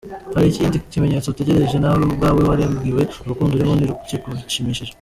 Hari ikindi kimenyetso utegereje ?Nawe ubwawe warambiwe urukundo urimo, ntirukigushimishije .